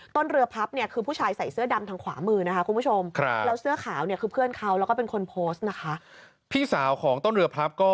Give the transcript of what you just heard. ต้นเรือพรับคือผู้ชายใส่เสื้อดำทางขวามือ